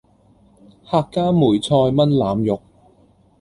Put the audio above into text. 客家梅菜炆腩肉